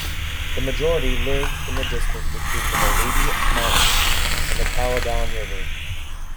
The majority lived in the district between the Maluti mountains and the Caledon river.